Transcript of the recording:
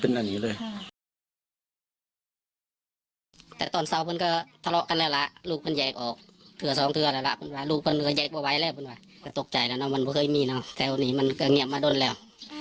ก็ตกใจแล้วนะว่ามันเคยมีเนอะแถวนี้มันก็เงียบมาด้นแล้ว